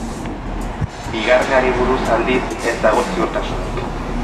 Bigarrenari buruz, aldiz, ez dago ziurtasunik.